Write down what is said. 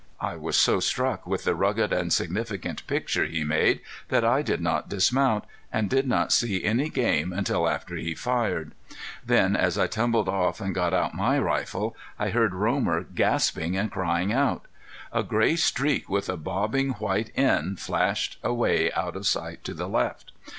I was so struck with the rugged and significant picture he made that I did not dismount, and did not see any game until after he fired. Then as I tumbled off and got out my rifle I heard Romer gasping and crying out. A gray streak with a bobbing white end flashed away out of sight to the left.